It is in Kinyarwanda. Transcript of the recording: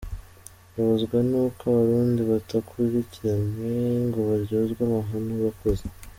Babazwa n’uko Abarundi batakurikiranywe ngo baryozwe amahano bakoze.